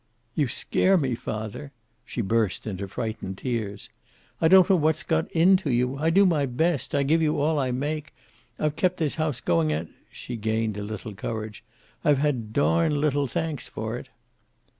"You scare me, father." She burst into frightened tears. "I don't know what's got into you. I do my best. I give you all I make. I've kept this house going, and" she gained a little courage "I've had darned little thanks for it."